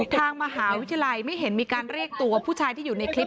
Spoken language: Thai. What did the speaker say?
ทางมหาวิทยาลัยไม่เห็นมีการเรียกตัวผู้ชายที่อยู่ในคลิป